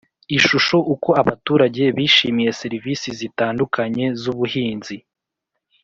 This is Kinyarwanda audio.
Ishusho Uko abaturage bishimiye serivisi zitandukanye z ubuhinzi